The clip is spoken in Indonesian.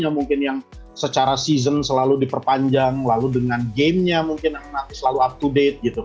mungkin yang secara season selalu diperpanjang lalu dengan gamenya mungkin yang selalu up to date